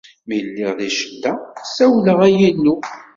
Mi lliɣ di ccedda, sawleɣ: Ay Illu!